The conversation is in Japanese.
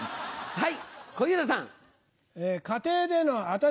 はい。